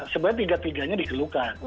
sebenarnya tiga tiganya dikeluhkan